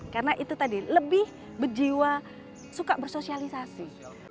karena itu tadi lebih berjiwa suka bersosialisasi